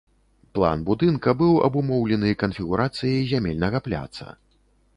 План будынка быў абумоўлены канфігурацыяй зямельнага пляца.